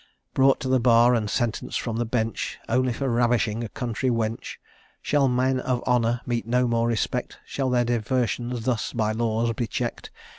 Brought to the bar, and sentenced from the bench, Only for ravishing a country wench? Shall men of honour meet no more respect? Shall their diversions thus by laws be check'd?